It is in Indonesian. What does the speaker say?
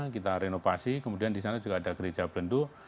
kita renovasi kemudian disana juga ada gereja blenduk